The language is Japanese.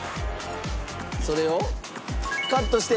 それをカットして。